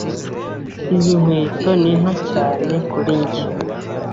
Izi nkweto ni nto cyane kuri njye.